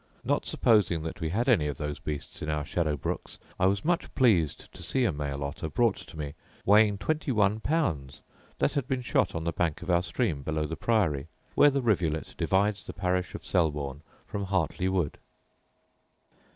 Not supposing that we had any of those beasts in our shadow brooks, I was much pleased to see a male otter brought to me, weighing twenty one pounds, that had been shot on the bank of our stream below the Priory, where the rivulet divides the parish of Selborne from Harteley wood.